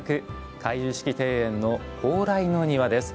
回遊式庭園の蓬莱の庭です。